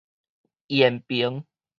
延平